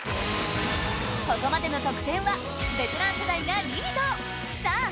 ここまでの得点はベテラン世代がリード！